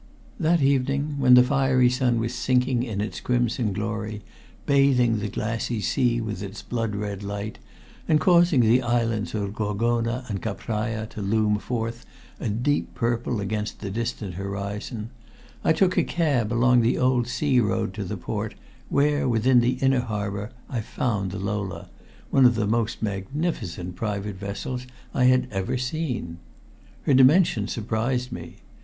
That evening when the fiery sun was sinking in its crimson glory, bathing the glassy sea with its blood red light and causing the islands of Gorgona and Capraja to loom forth a deep purple against the distant horizon, I took a cab along the old sea road to the port where, within the inner harbor, I found the Lola, one of the most magnificent private vessels I had ever seen. Her dimensions surprised me.